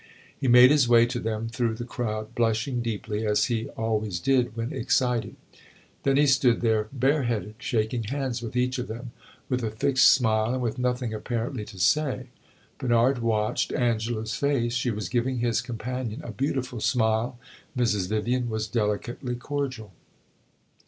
He made his way to them through the crowd, blushing deeply, as he always did when excited; then he stood there bare headed, shaking hands with each of them, with a fixed smile, and with nothing, apparently, to say. Bernard watched Angela's face; she was giving his companion a beautiful smile. Mrs. Vivian was delicately cordial.